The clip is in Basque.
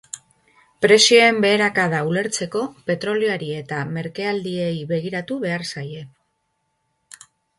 Prezioen beherakada ulertzeko petrolioari eta merkealdiei begiratu behar zaie.